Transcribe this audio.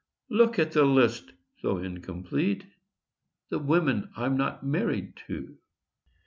Look at the list, though incomplete: The women I'm not married to.